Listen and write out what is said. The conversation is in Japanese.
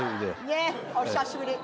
ねえお久しぶり。